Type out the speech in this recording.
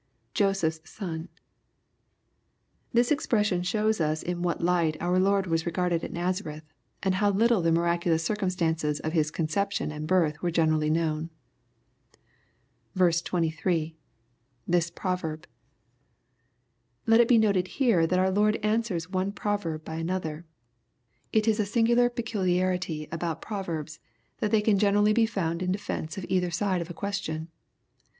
{Joseph's son.] This expression shows us in what light our 124 BXPOSITOBY THOUGHTS. Lord was regurded at Nazareth, and how little the miracokMU circumstances of His :;onception and birth were generally known. 23. — [This proverb.] Let it be noted here that our Lord answers one proverb by another. It is a singular peculiarity about pro verbs, that they can generally be found in defence of either side of a question.